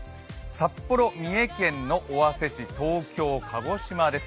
札幌、三重県の尾鷲市、東京、鹿児島です。